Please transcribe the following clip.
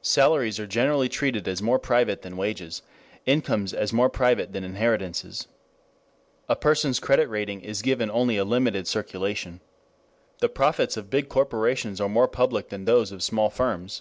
Salaries are generally treated as more private than wages, incomes as more private than inheritances. A person's credit rating is given only a limited circulation. The profits of big corporations are more public than those of small firms.